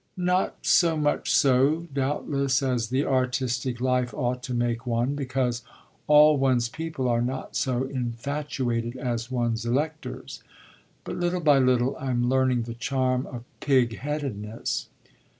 "Not so much so, doubtless, as the artistic life ought to make one: because all one's people are not so infatuated as one's electors. But little by little I'm learning the charm of pig headedness."